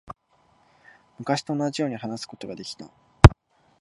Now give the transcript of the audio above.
昔と同じように話すことができた。